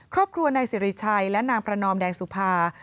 ครอบครัวนายสิริชัยและนางประนอมแดงสุภา